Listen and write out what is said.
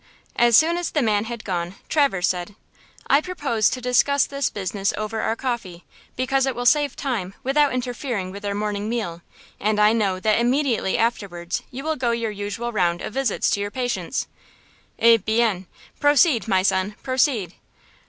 As soon as the man had gone, Traverse said: "I propose to discuss this business over our coffee, because it will save time without interfering with our morning meal, and I know that immediately afterwards you will go your usual round of visits to your patients." "Eh bien! proceed, my son! proceed!"